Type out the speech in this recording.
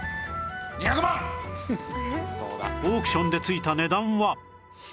オークションでついた値段は